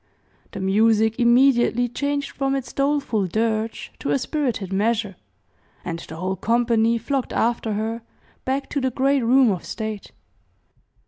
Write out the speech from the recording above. The music immediately changed from its doleful dirge to a spirited measure, and the whole company flocked after her, back to the great room of state.